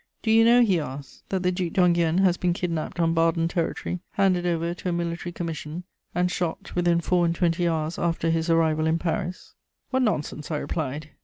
"'Do you know,' he asked, 'that the Duc d'Enghien has been kidnapped on Baden territory, handed over to a military commission, and shot within four and twenty hours after his arrival in Paris?' "'What nonsense!' I replied.